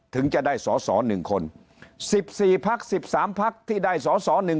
ถึงจะได้สอสอ๑คน๑๔พัก๑๓พักที่ได้สอสอหนึ่ง